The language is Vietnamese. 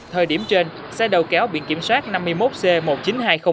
thời điểm trên xe đầu kéo biển kiểm soát năm mươi một c một mươi chín nghìn hai trăm linh